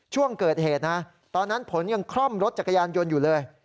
ช่วงเกิดเหตุนะตอนนั้นผลยังคล่อมรถจักรยานยนต์อยู่เลย